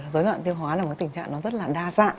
dối lận tiêu hóa là một tình trạng rất là đa dạng